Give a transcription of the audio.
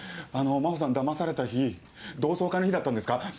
あの真帆さんだまされた日同窓会の日だったんですか？